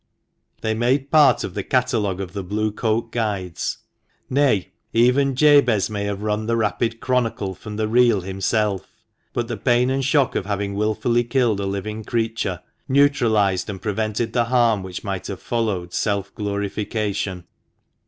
They made part of the 84 THE MANCHESTER MAN. catalogue of the Blue coat guides — nay, even Jabez may have run the rapid chronicle from the reel himself; but the pain and shock of having wilfully killed a living creature neutralised and prevented the harm which might have followed self glorification.